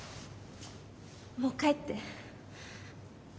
もう帰って。